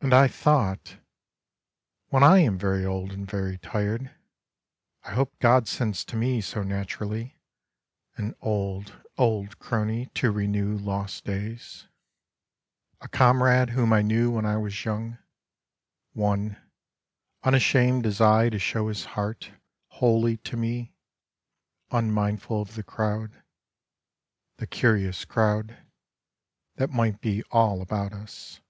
And I thought : When I am very old and very tired, I hope God sends to me so naturally An old, old crony to renew lost days; THE TWO OLD MEN A comrade whom I knew when I was young, One, unashamed as I, to show his heart Wholly to me, unmindful of the crowd. The curious crowd that might be all about us.